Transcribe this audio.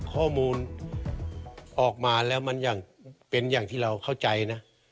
ข้อมูลออกมาแล้วมันยังเป็นอย่างที่เราเข้าใจนะ